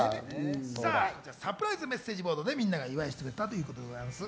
サプライズメッセージボードでみんなが祝ってくれたということです。